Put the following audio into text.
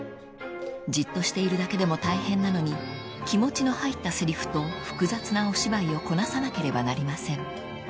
［じっとしているだけでも大変なのに気持ちの入ったせりふと複雑なお芝居をこなさなければなりません］